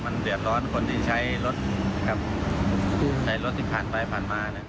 มันเรียบร้อนคนที่ใช้รถที่ผ่านไปผ่านมา